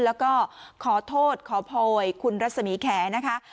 แล้วก็ขอโทษขอโพยคุณรัศมีแขนะคะ